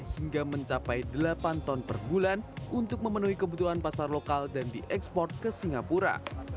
hingga mencapai delapan ton per bulan untuk memenuhi kebutuhan pasar lokal dan diekspor ke singapura